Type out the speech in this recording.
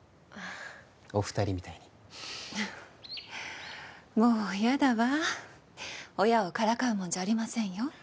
お二人みたいにもう嫌だわ親をからかうもんじゃありませんよ